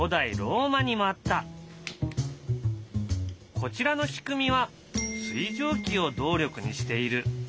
こちらの仕組みは水蒸気を動力にしている。